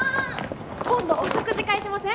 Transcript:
今度お食事会しません？